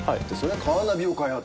カーナビを開発。